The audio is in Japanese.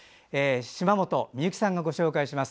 島本美由紀さんがご紹介します。